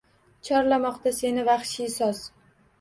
Chorlamoqda seni vahshiy soz!